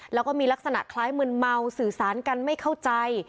แล้วก็มีลักษณะคล้ายมืนเมาสื่อสารกันไม่เข้าใจ